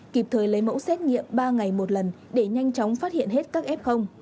kịp thời lấy mẫu xét nghiệm ba ngày một lần để nhanh chóng phát hiện hết các f